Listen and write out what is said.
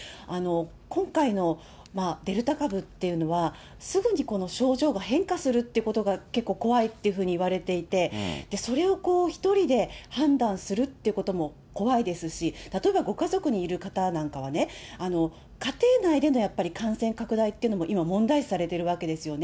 今回のデルタ株っていうのは、すぐに症状が変化するってことが、結構怖いというふうにいわれていて、それを１人で判断するってことも怖いですし、例えばご家族にいる方なんかはね、家庭内でのやっぱり感染拡大っていうのも、今問題視されてるわけですよね。